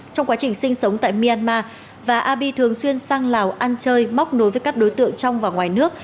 trong quá trình sinh sống tại myanmar và abi thường xuyên sang lào ăn chơi móc nối với các đối tượng trong và ngoài nước